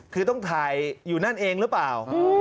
คือต้องถ่ายอยู่นั่นเองหรือเปล่า